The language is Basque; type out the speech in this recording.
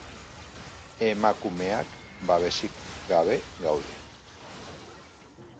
Emakumeak babesik gabe gaude.